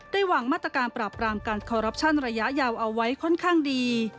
หวังมาตรการปราบรามการคอรัปชั่นระยะยาวเอาไว้ค่อนข้างดี